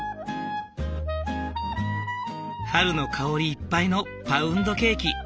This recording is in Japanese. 春の香りいっぱいのパウンドケーキ。